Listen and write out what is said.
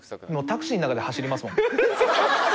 ［「タクシーの中で走りますもんね」］